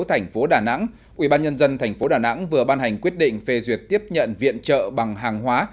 thành phố đà nẵng ubnd tp đà nẵng vừa ban hành quyết định phê duyệt tiếp nhận viện trợ bằng hàng hóa